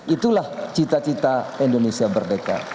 itulah cita cita indonesia merdeka